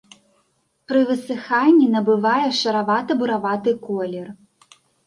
Пры высыханні набывае шаравата-бураваты колер.